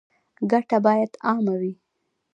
ګټه باید عامه وي